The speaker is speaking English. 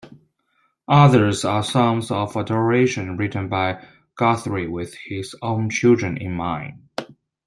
Others are songs of adoration written by Guthrie with his own children in mind.